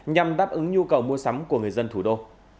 nhằm đáp ứng nhu cầu mua sắm của người dân thủ đô